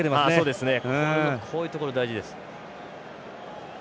こういうところ大事です。